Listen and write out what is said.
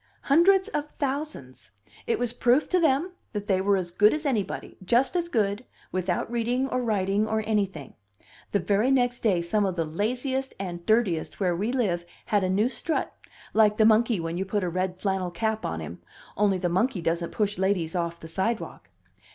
"Hundreds of thousands. It was proof to them that they were as good as anybody just as good, without reading or writing or anything. The very next day some of the laziest and dirtiest where we live had a new strut, like the monkey when you put a red flannel cap on him only the monkey doesn't push ladies off the sidewalk.